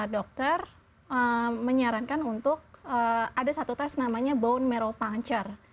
dokter menyarankan untuk ada satu tes namanya bone marrol punture